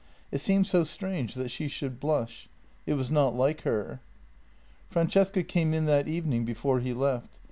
It seemed so strange that she should blush ; it was not like her. Francesca came in that evening before he left.